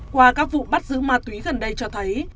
qua các vụ bắt giữ ma túy gần đây cho thấy